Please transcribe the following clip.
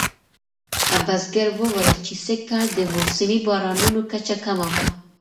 بزګر وویل چې سږکال د موسمي بارانونو کچه کمه وه.